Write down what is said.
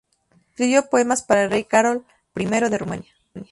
Escribió poemas para el rey Carol I de Rumanía.